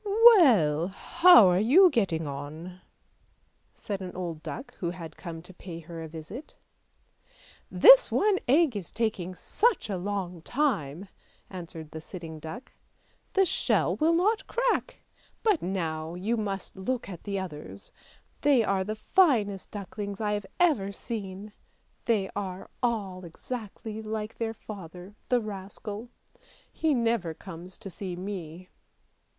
" Well, how are you getting on? " said an old duck who had come to pay her a visit. ' This one egg is taking such a long time," answered the sitting duck, " the shell will not crack; but now you must look at the others; they are the finest ducklings I have ever seen! they are all exactly like their father, the rascal! he never comes to see me."